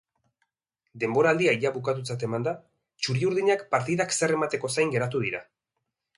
Denboraldia ia bukatutzat emanda, txuriurdinak partidak zer emateko zain geratu dira.